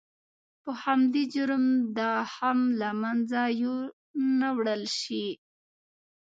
په همدې جرم دا هم له منځه یو نه وړل شي.